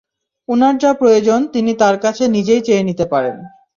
উনার যা প্রয়োজন তিনি তার কাছে নিজেই চেয়ে নিতে পারেন।